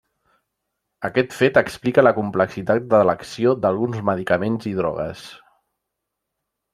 Aquest fet explica la complexitat de l'acció d'alguns medicaments i drogues.